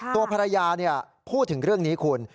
ตัวภรรยาพูดถึงเรื่องนี้คุณ